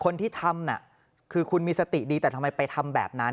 คนที่ทำน่ะคือคุณมีสติดีแต่ทำไมไปทำแบบนั้น